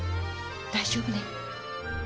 大丈夫ね？